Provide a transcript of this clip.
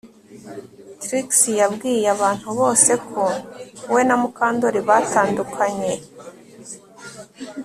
Trix yabwiye abantu bose ko we na Mukandoli batandukanye